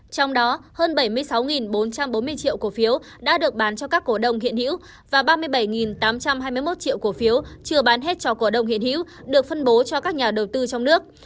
trong đó hơn bảy mươi sáu bốn trăm bốn mươi triệu cổ phiếu đã được bán cho các cổ đông hiện hữu và ba mươi bảy tám trăm hai mươi một triệu cổ phiếu chưa bán hết cho cổ đông hiện hữu được phân bố cho các nhà đầu tư trong nước